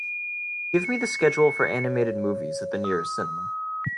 Give me the schedule for animated movies at the nearest cinema